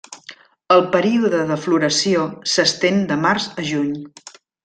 El període de floració s'estén de març a juny.